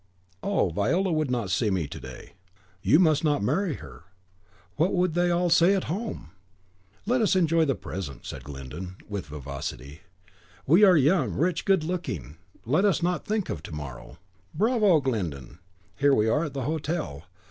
"Oh, Viola could not see me to day." "You must not marry her. What would they all say at home?" "Let us enjoy the present," said Glyndon, with vivacity; "we are young, rich, good looking; let us not think of to morrow." "Bravo, Glyndon! Here we are at the hotel.